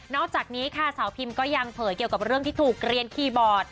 อกจากนี้ค่ะสาวพิมก็ยังเผยเกี่ยวกับเรื่องที่ถูกเรียนคีย์บอร์ด